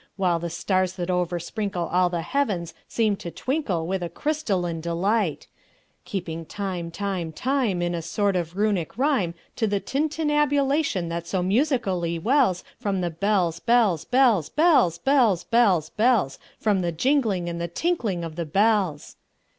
While the stars, that oversprinkleAll the heavens, seem to twinkleWith a crystalline delight; Keeping time, time, time, In a sort of Runic rhyme, To the tintinnabulation that so musically wellsFrom the bells, bells, bells, bells, Bells, bells, bells—From the jingling and the tinkling of the bells.